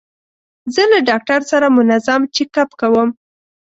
زه له ډاکټر سره منظم چیک اپ کوم.